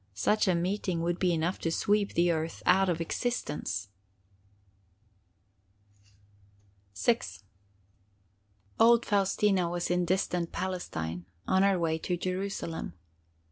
Such a meeting would be enough to sweep the earth out of existence!" VI Old Faustina was in distant Palestine, on her way to Jerusalem.